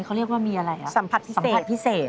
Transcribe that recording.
เขาเรียกว่ามีอะไรล่ะสัมผัสพิเศษสัมผัสพิเศษ